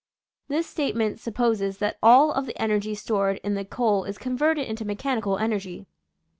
This statement sup poses that all of the energy stored in the coal is converted into mechanical energy.